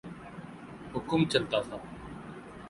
حکم چلتا تھا۔